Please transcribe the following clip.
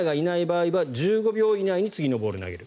ランナーがいない場合は１５秒以内に次のボールを投げる。